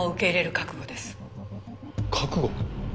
覚悟？